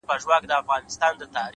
لوړ لید د واټنونو مانا بدلوي!